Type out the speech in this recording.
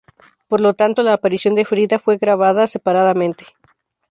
Por lo tanto la aparición de Frida fue grabada separadamente.